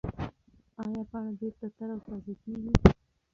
ایا پاڼه بېرته تر او تازه کېږي؟